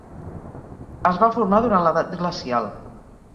Es va formar durant l'edat glacial.